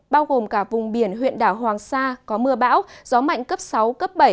bao gồm cả vùng biển huyện đảo hoàng sa có mưa bão gió mạnh cấp sáu cấp bảy